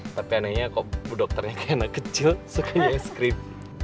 tapi anehnya kok bu dokternya kayak anak kecil sukanya es krim